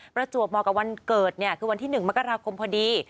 ประจวบเหมาะกับวันเกิดคือวันที่๑มกราคมพอดี